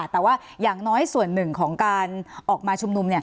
แต่ว่าอย่างน้อยส่วนหนึ่งของการออกมาชุมนุม